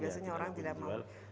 biasanya orang tidak mau